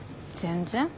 全然。